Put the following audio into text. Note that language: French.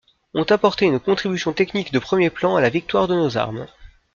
Ont apporté une contribution technique de premier plan à la victoire de nos armes.